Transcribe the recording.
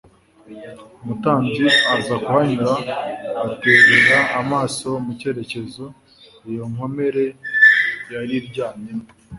Umutambyi aza kuhanyura aterera amaso mu cyerekezo iyo nkomere yari iryamyemo.